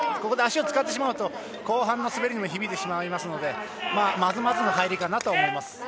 ここで足を使ってしまうと後半の滑りに響いてしまいますのでまずまずの入りかなと思います。